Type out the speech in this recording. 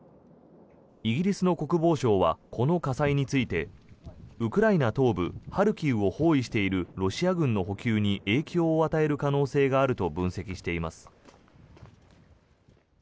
イギリスの国防省はこの火災についてウクライナ東部ハルキウを包囲しているロシア軍の補給に影響を与える可能性があると分析しています。